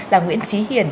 là nguyễn trí hiền